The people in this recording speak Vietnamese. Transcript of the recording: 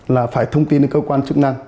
là phải thông tin đến cơ quan chức năng